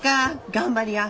頑張りや。